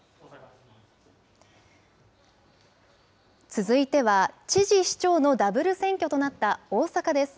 続いては、知事、市長のダブル選挙となった大阪です。